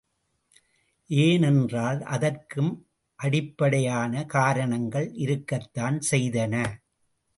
ஏனென்றால், அதற்கும் அடிப்படையான காரணங்கள் இருக்கத்தான் செய்தன.